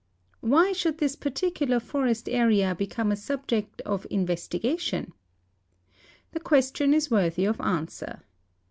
Why should this i)articular forest area become a subject of in vestigation ? The question is worthy of answer.